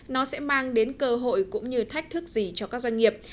nó sẽ mang đến cơ hội cũng như thách thức gì cho các doanh nghiệp